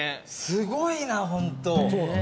すごいなホント。